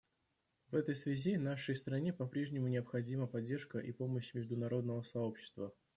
В этой связи нашей стране по-прежнему необходима поддержка и помощь международного сообщества.